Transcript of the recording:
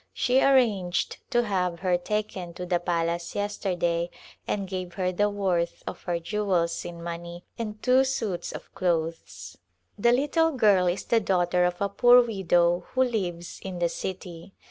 Shear ranged to have her taken to the palace yesterday and gave her the w^orth of her jewels in money and two suits of clothes. The little girl is the daughter of a poor widow who lives in the city.